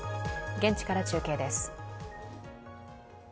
現地から中継です。